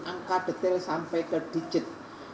angka detail sampai ke digit